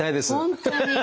本当に。